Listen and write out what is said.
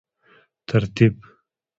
ترتیب